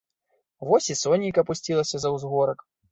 Вось і сонейка апусцілася за ўзгорак.